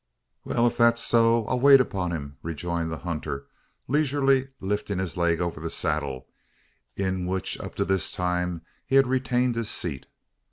"Wal, if thet's so, I'll wait upon him," rejoined the hunter, leisurely lifting his leg over the saddle in which up to this time he had retained his seat.